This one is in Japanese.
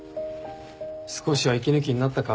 少しは息抜きになったか？